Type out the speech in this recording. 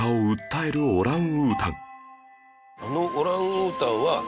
あのオランウータンは。